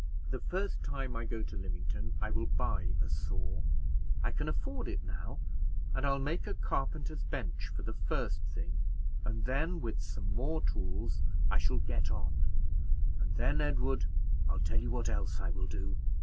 The first time I go to Lymington I will buy a saw I can afford it now; and I'll make a carpenter's bench for the first thing, and then, with some more tools, I shall get on; and then, Edward, I'll tell you what else I will do."